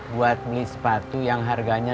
buat beli sepatu yang harganya